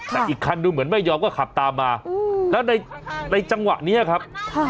แต่อีกคันดูเหมือนไม่ยอมก็ขับตามมาแล้วในจังหวะนี้ครับ